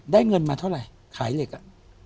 เงินมาเท่าไหร่ขายเหล็กอ่ะ